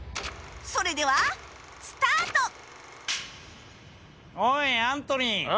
それではスタート！